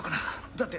だって。